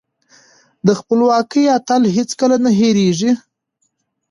د خپلواکۍ اتل هېڅکله نه هيريږي.